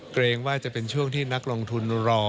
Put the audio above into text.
เกรงว่าจะเป็นช่วงที่นักลงทุนรอ